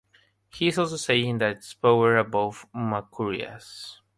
He also says that its power is above Makurias.